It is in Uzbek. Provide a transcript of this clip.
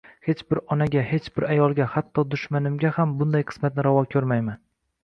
Hech bir onaga, hech bir ayolga, hatto dushmanimga ham bunday qismatni ravo ko`rmayman